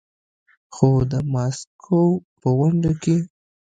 خو د ماسکو په غونډه کې